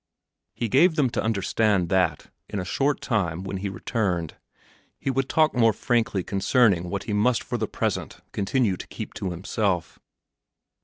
He gave them to understand that, in a short time, when he returned, he would talk more frankly concerning what he must for the present continue to keep to himself.